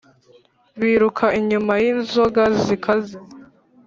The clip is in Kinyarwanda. biruka inyuma y’inzoga zikaze,